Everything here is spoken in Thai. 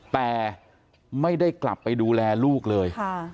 แต่ไม่ได้กลับไปดูแลลูกเลย